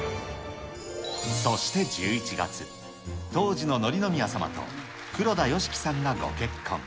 そして１１月、当時の紀宮さまと黒田慶樹さんがご結婚。